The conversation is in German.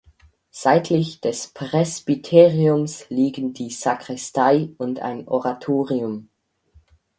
Seitlich des Presbyteriums liegen die Sakristei und ein Oratorium.